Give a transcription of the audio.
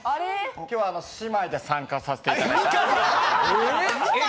今日は姉妹で参加させていただいて。